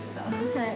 はい。